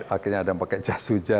akhirnya ada yang pakai jasujat